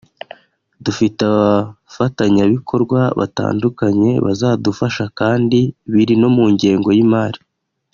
dufite abafatanyabikorwa batandukanye bazadufasha kandi biri no mu ngengo y’imari